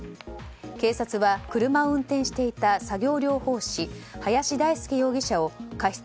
警察は、車を運転していた作業療法士、林大介容疑者を過失